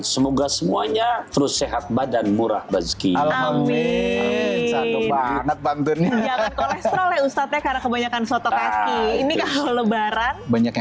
semoga semuanya terus sehat badan murah meski